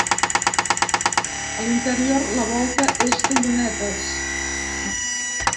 A l'interior, la volta és de llunetes.